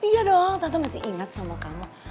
iya dong tante masih ingat sama kamu